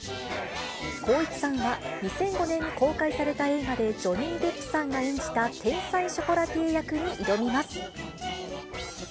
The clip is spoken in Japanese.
光一さんは２００５年に公開された映画でジョニー・デップさんが演じた天才ショコラティエ役に挑みます。